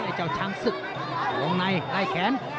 เจ้าช้างศึกวงในไล่แขน